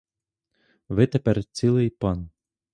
Ви тепер цілий пан.